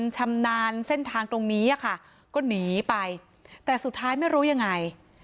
ชำนาญเส้นทางตรงนี้อะค่ะก็หนีไปแต่สุดท้ายไม่รู้ยังไง